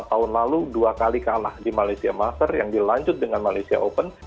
tahun lalu dua kali kalah di malaysia master yang dilanjut dengan malaysia open